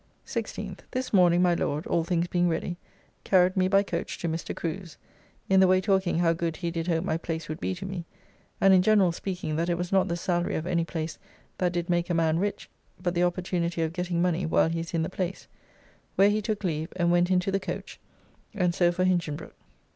16th. This morning my Lord (all things being ready) carried me by coach to Mr. Crew's, (in the way talking how good he did hope my place would be to me, and in general speaking that it was not the salary of any place that did make a man rich, but the opportunity of getting money while he is in the place) where he took leave, and went into the coach, and so for Hinchinbroke.